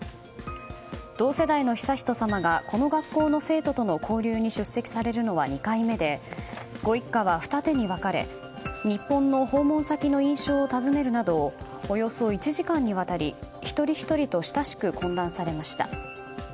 同世代の悠仁さまがこの学校の生徒との交流に出席されるのは２回目でご一家は二手に分かれ日本の訪問先の印象を尋ねるなどおよそ１時間にわたり一人ひとりと親しく懇談されました。